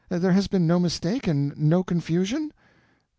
There has been no mistake, and no confusion?"